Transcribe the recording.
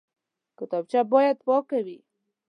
کتابچه باید پاکه وي